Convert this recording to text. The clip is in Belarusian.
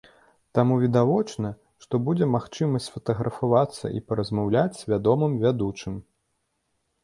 Таму відавочна, што будзе магчымасць сфатаграфавацца і паразмаўляць з вядомым вядучым.